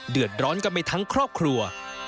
เดือดร้อนกันไปทั้งครอบครัว